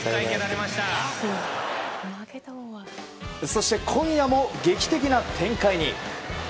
そして今夜も劇的な展開に。